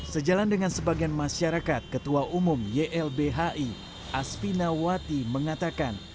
sejalan dengan sebagian masyarakat ketua umum ylbhi aspina wati mengatakan